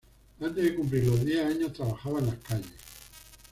Antes de cumplir los diez años trabajaba en las calles.